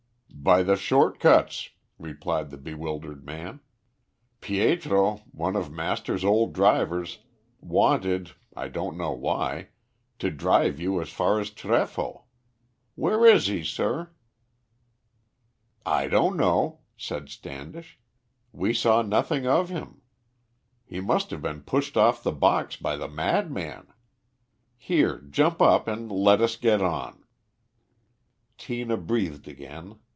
"By the short cuts," replied the bewildered man. "Pietro, one of master's old drivers, wanted I don't know why to drive you as far as Trefoi. Where is he, sir?" "I don't know," said Standish. "We saw nothing of him. He must have been pushed off the box by the madman. Here, jump up and let us get on." Tina breathed again.